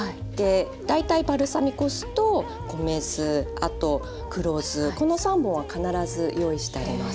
大体バルサミコ酢と米酢あと黒酢この３本は必ず用意してあります。